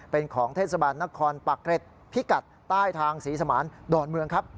เป็นของเทศบาลนครปักเกร็ดพิกัดใต้ทางศรีสมานดอนเมืองครับ